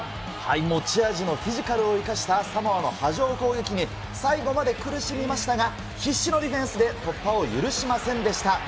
持ち味のフィジカルを生かしたサモアの波状攻撃に最後まで苦しみましたが、必死のディフェンスで突破を許しませんでした。